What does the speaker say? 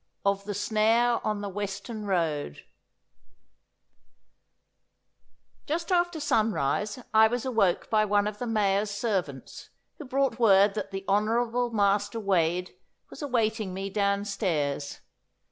Of the Snare on the Weston Road Just after sunrise I was awoke by one of the Mayor's servants, who brought word that the Honourable Master Wade was awaiting me downstairs.